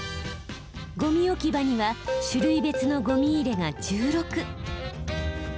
ゴミ置き場には種類別のゴミ入れが１６。